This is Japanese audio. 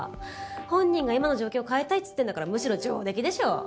本人が今の状況を変えたいっつってるんだからむしろ上出来でしょ。